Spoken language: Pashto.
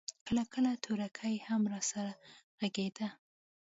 کله کله تورکى هم راسره ږغېده.